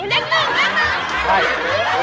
อันนี้ก็เริ่มขึ้นแล้ว